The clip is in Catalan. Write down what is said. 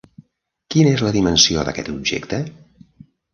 Quina és la dimensió d'aquest objecte?